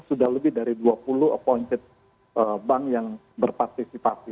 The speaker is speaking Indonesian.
sudah lebih dari dua puluh appointed bank yang berpartisipasi